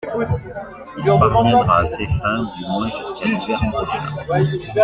Il parviendra à ses fins - du moins jusqu'à l'hiver prochain...